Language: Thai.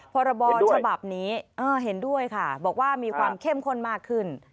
พรบฉบับนี้เห็นด้วยค่ะบอกว่ามีความเข้มข้นมากขึ้น